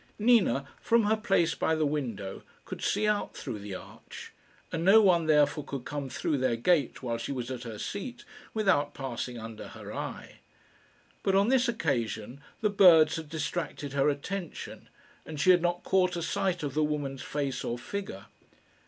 Nina, from her place by the window, could see out through the arch, and no one therefore could come through their gate while she was at her seat without passing under her eye; but on this occasion the birds had distracted her attention, and she had not caught a sight of the woman's face or figure.